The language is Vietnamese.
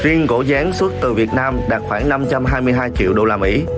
riêng gỗ gián xuất từ việt nam đạt khoảng năm trăm hai mươi hai triệu usd